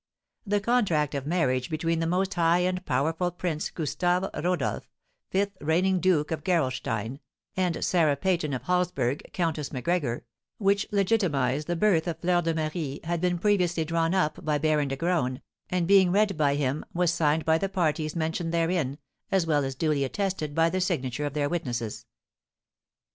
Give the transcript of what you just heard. The contract of marriage between the most high and powerful Prince Gustave Rodolph, fifth reigning Duke of Gerolstein, and Sarah Seyton of Halsburg, Countess Macgregor, which legitimised the birth of Fleur de Marie, had been previously drawn up by Baron de Graün, and, being read by him, was signed by the parties mentioned therein, as well as duly attested by the signature of their witnesses.